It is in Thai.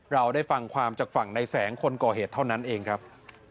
เราได้ฟังความจากฝั่งในแสงคนก่อเหตุเท่านั้นเองครับ